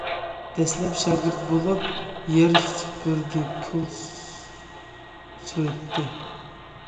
دەسلەپ شاگىرت بولۇپ، يەر سۈپۈردى، پول سۈرتتى.